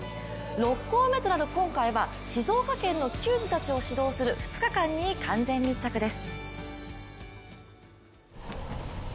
６校目となる今回は静岡県の球児たちを指導する２日間に完全密着です。